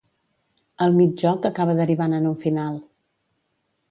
El mig joc acaba derivant en un final.